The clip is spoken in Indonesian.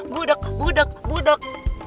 budak budak budak